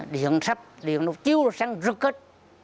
điện sắp điện đột chiếu sang rực hết